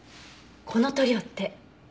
この塗料って。